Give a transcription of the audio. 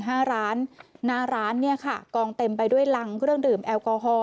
หน้าร้านกองเต็มไปด้วยรังเรื่องดื่มแอลกอฮอล์